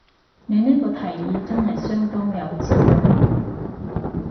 你呢個提議真係相當有智慧